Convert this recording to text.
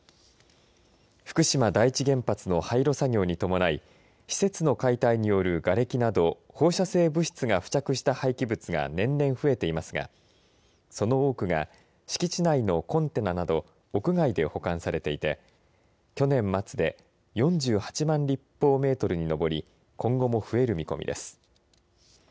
福島第一原発の廃炉作業に伴い施設の解体によるがれきなど放射性物質が付着した廃棄物が年々増えていますがその多くが敷地内のコンテナなど屋外で保管されていて去年末で４８万立方メートルに上り今後も増える見込みです。